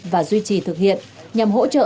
và duy trì thực hiện nhằm hỗ trợ